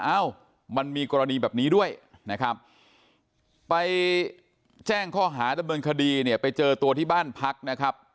เอ้ามันมีกรณีแบบนี้ด้วยนะครับไปแจ้งข้อหาดำเนินคดีเนี่ยไปเจอตัวที่บ้านพักนะครับ